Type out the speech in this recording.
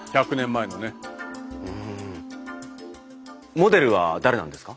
モデルは誰なんですか？